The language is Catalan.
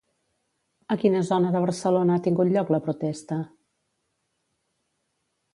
A quina zona de Barcelona ha tingut lloc la protesta?